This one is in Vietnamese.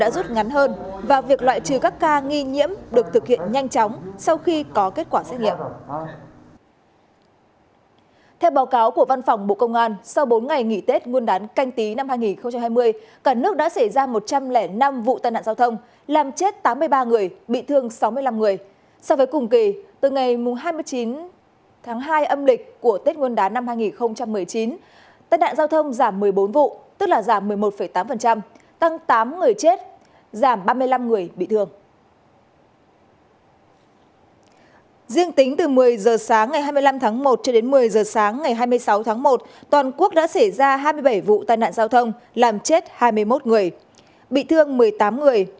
từ một mươi h sáng ngày hai mươi năm tháng một cho đến một mươi h sáng ngày hai mươi sáu tháng một toàn quốc đã xảy ra hai mươi bảy vụ tai nạn giao thông làm chết hai mươi một người bị thương một mươi tám người